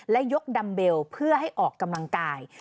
และยกดัมเบลเพื่อให้ออกกำลังกาย